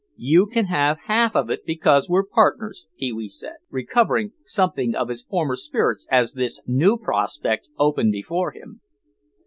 "You can have half of it because we're partners," Pee wee said, recovering something of his former spirits as this new prospect opened before him.